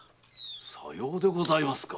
さようでございますか。